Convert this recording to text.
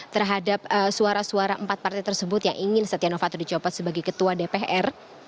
terhadap suara suara empat partai tersebut yang ingin setia novanto dicopot sebagai ketua dpr